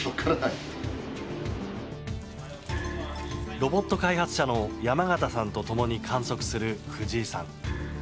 ロボット開発者の山縣さんと共に観測する藤井さん。